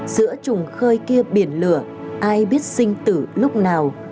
giữa trùng khơi biển lửa ai biết sinh tử lúc nào